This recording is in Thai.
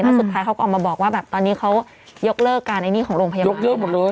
แล้วสุดท้ายเขาก็ออกมาบอกว่าตอนนี้เขายกเลิกการของโรงพยาบาล